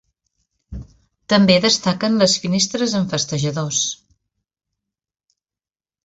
També destaquen les finestres amb festejadors.